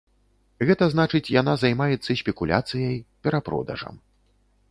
Гэта значыць, яна займаецца спекуляцыяй, перапродажам.